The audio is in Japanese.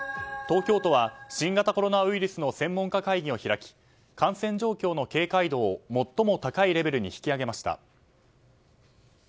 東京都は新型コロナウイルスの専門家会議を開き感染状況の警戒度を最も高いレベルに引き上げました。